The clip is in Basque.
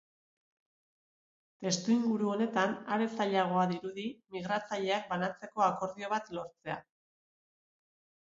Testuinguru honetan, are zailagoa dirudi migratzaileak banatzeko akordio bat lortzea.